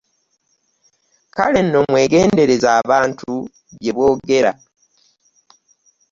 Kale nno mwegendereze abantu bye boogera.